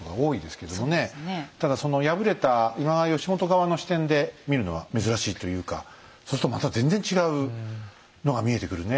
ただその敗れた今川義元側の視点で見るのは珍しいというかそうするとまた全然違うのが見えてくるねえ。